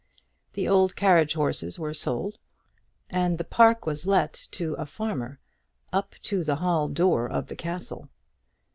The old carriage horses were sold, and the park was let to a farmer, up to the hall door of the castle.